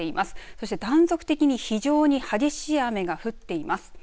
そして断続的に非常に激しい雨が降っています。